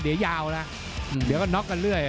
เดี๋ยวยาวนะเดี๋ยวก็น็อกกันเรื่อย